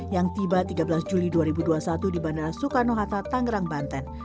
yang tiba tiga belas juli dua ribu dua puluh satu di bandara soekarno hatta tangerang banten